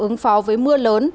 ứng phó với mưa lớn